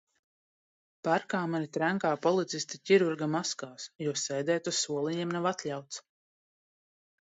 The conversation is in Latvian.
Parkā mani trenkā policisti ķirurga maskās, jo sēdēt uz soliņiem nav ļauts.